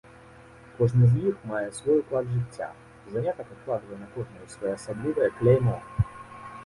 Кожны з іх мае свой уклад жыцця, занятак адкладвае на кожнага своеасаблівае кляймо.